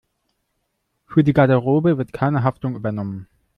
Für die Garderobe wird keine Haftung übernommen.